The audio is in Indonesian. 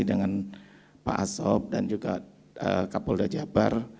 dengan pak asop dan juga kapol dajabar